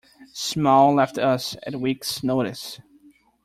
Small left us at a week's notice.